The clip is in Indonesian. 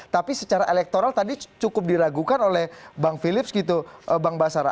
tapi secara elektoral tadi cukup diragukan oleh bang philips gitu bang basara